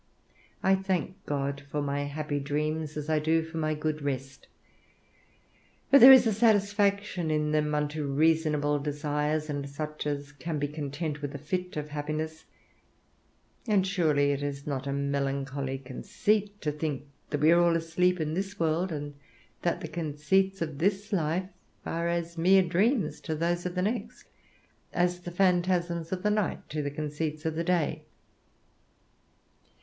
I thank God for my happy dreams, as I do for my good rest, for there is a satisfaction in them unto reasonable desires, and such as can be content with a fit of happiness; and surely it is not a melancholy conceit to think we are all asleep in this world, and that the conceits of this life are as mere dreams to those of the next; as the phantasms of the night to the conceits of the day.